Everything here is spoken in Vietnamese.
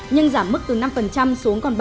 nhưng giảm mức từ năm xuống còn ba